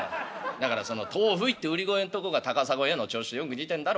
だからその『豆腐い』って売り声んとこが『高砂や』の調子とよく似てんだろ。